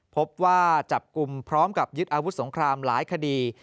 พบว่าจับกลุ่มพร้อมกับยึดอาวุธสงครามหลายคดี